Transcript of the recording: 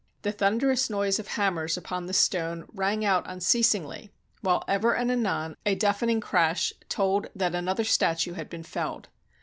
The thunder ous noise of hammers upon the stone rang out unceas ingly, while ever and anon a deafening crash told that another statue had been felled.